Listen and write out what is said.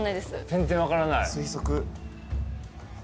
全然分からない？